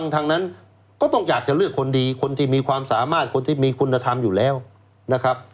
ทั้งนั้นก็ต้องอยากจะเลือกคนดีคนที่มีความสามารถคนที่มีคุณธรรมอยู่แล้วนะครับ